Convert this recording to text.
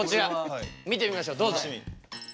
こちら見てみましょうどうぞ。